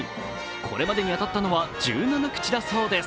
これまでに当たったのは１７口だそうです。